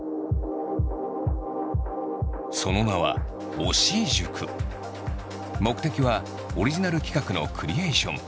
その名は目的はオリジナル企画のクリエイション。